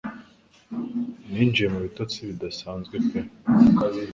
Ninjiye mu bitotsi bidasanzwe pe